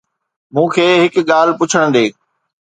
مون کي هڪ ڳالهه پڇڻ ڏي